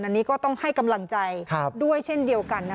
อันนี้ก็ต้องให้กำลังใจด้วยเช่นเดียวกัน